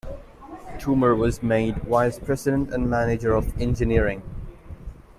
Toomer was made vice president and manager of engineering.